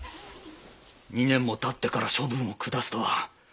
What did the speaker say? ２年もたってから処分を下すとは。